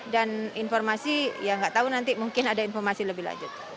dan informasi ya nggak tahu nanti mungkin ada informasi lebih lanjut